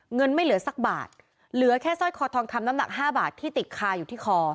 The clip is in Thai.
เงินไม่เหลือสักบาทเหลือแค่สร้อยคอทองคำน้ำหนัก๕บาทที่ติดคาอยู่ที่คอ